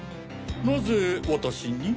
なぜ私に？